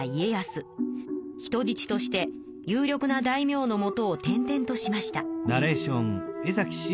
人じちとして有力な大名のもとを転々としました。